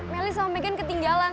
milih sama megan ketinggalan